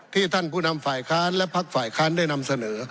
ท่านผู้นำฝ่ายค้านและพักฝ่ายค้านได้นำเสนอ